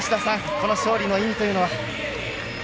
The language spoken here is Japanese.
この勝利の意味というのは。